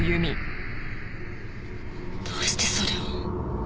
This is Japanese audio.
どうしてそれを？